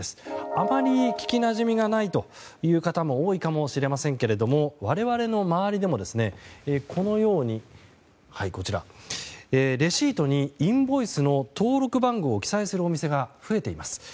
あまり聞きなじみがないという方も多いかもしれませんが我々の周りでもこのようにレシートにインボイスの登録番号を記載するお店が増えています。